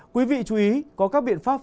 quý vị chú ý có các biện pháp